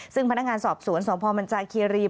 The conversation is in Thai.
ซึ่งพนักงานสอบสวนสพมันจาคีรี